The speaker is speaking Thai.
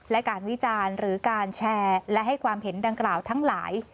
และการวิจารณ์หรือการแชร์และให้ความเห็นดังกล่าวทั้งหลาย